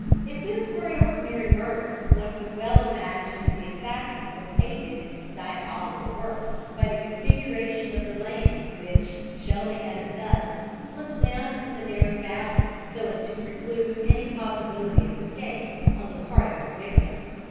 If this were an ordinary murder, one could well imagine the assassin was aided in his diabolical work by the configuration of the land which, shelving as it does, slips down into the narrow valley, so as to preclude any possibility of escape on the part of the victim.